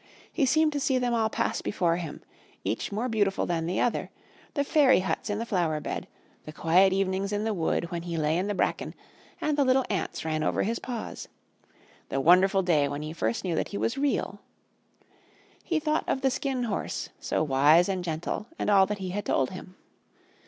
He seemed to see them all pass before him, each more beautiful than the other, the fairy huts in the flower bed, the quiet evenings in the wood when he lay in the bracken and the little ants ran over his paws; the wonderful day when he first knew that he was Real. He thought of the Skin Horse, so wise and gentle, and all that he had told him.